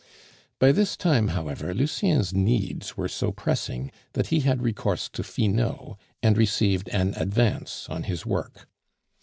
By this time, however, Lucien's needs were so pressing that he had recourse to Finot, and received an advance on his work.